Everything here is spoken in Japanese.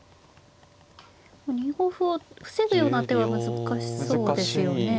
２五歩を防ぐような手は難しそうですよね。